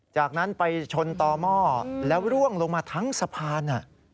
จากนั้นไปชนต่อหม้อแล้วร่วงลงมาทั้งสะพาน